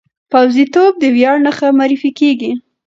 پوځي توب د ویاړ نښه معرفي کېږي.